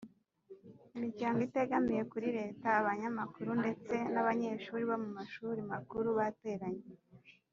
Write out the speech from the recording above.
imiryango itegamiye kuri Leta abanyamakuru ndetse n abanyeshuri bo mu mashuri makuru bateranye